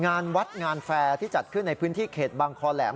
งานวัดงานแฟร์ที่จัดขึ้นในพื้นที่เขตบางคอแหลม